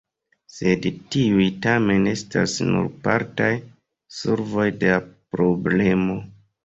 Sed tiuj tamen estas nur partaj solvoj de la problemo.